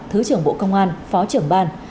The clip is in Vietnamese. thứ trưởng bộ công an phó trưởng ban